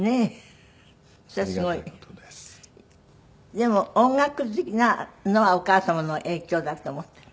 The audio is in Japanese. でも音楽好きなのはお母様の影響だって思っている？